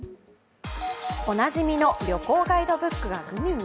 おなじみの旅行ガイドブックがグミに？